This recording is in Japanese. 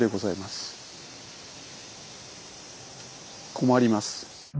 困ります。